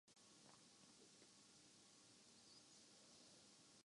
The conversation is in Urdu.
شعیب منصور پاکستانی فلم انڈسٹری